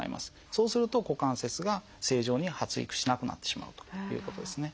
そうすると股関節が正常に発育しなくなってしまうということですね。